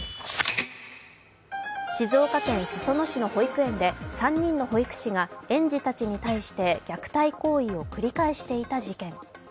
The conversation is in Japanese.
静岡県裾野市の保育園で３人の保育士が園児たちに対して虐待行為を繰り返していた事件。